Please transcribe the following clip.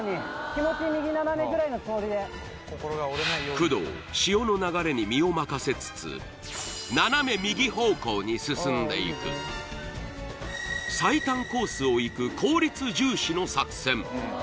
工藤潮の流れに身を任せつつ斜め右方向に進んでいく最短コースを行く効率重視の作戦